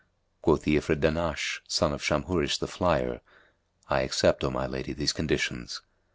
Quoth the Ifrit Dahnash son of Shamhúrish[FN#244] the Flyer, "I accept, O my lady, these conditions."